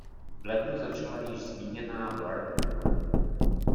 V lednu začala již zmíněná „World Tour“.